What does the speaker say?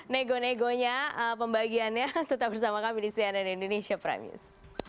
nego negonya pembagiannya tetap bersama kami di cnn indonesia prime news